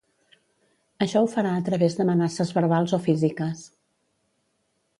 Això ho farà a través d’amenaces verbals o físiques.